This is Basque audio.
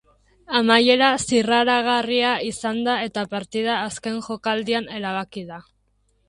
Amaiera zirraragarria izan da eta partida azken jokaldian erabaki da.